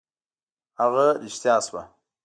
هغه رښتیا شوه.